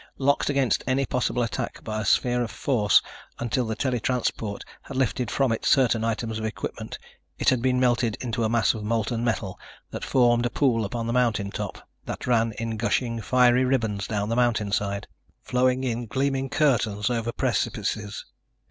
Locked against any possible attack by a sphere of force until the tele transport had lifted from it certain items of equipment, it had been melted into a mass of molten metal that formed a pool upon the mountain top, that ran in gushing, fiery ribbons down the mountain side, flowing in gleaming curtains over precipices.